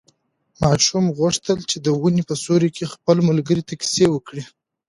ماشوم غوښتل چې د ونې په سیوري کې خپلو ملګرو ته کیسې وکړي.